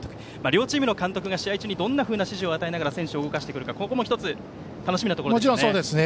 両チームの監督が試合中にどんな指示を与えながら選手を動かしてくるかこれも楽しみですね。